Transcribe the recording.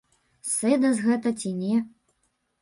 Сэдас гэта ці не?